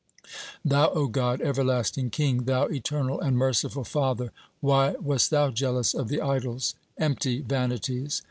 Thou, O God, everlasting King, Thou eternal and merciful Father, why wast Thou jealous of the idols, empty vanities?